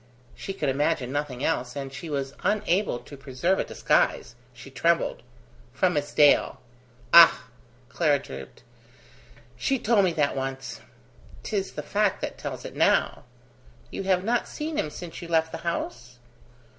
she could imagine nothing else, and she was unable to preserve a disguise; she trembled. "From Miss Dale." "Ah!" Clara drooped. "She told me that once." "'Tis the fact that tells it now." "You have not seen him since you left the house?"